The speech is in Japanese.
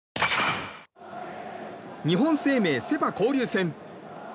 日本生命セ・パ交流戦。